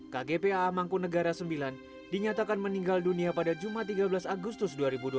kgpa mangkunegara ix dinyatakan meninggal dunia pada jumat tiga belas agustus dua ribu dua puluh